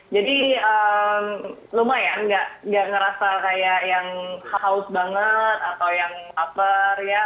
lumayan gak ngerasa kayak yang haus banget atau yang lapar ya